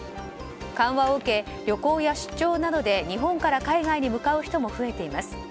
緩和を受け、旅行や出張などで日本から海外に向かう人も増えています。